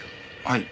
はい。